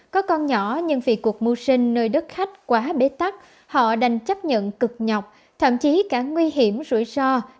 có con nhỏ nhưng vì cuộc mưu sinh nơi đất khách quá bế tắc họ đành chấp nhận cực nhọc thậm chí cả nguy hiểm rủi ro